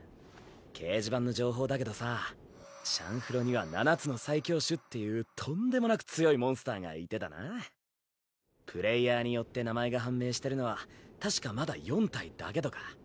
掲示板の情報だけどさ「シャンフロ」には七つの最強種っていうとんでもなく強いモンスターがいてだなプレイヤーによって名前が判明してるのは確かまだ４体だけとか。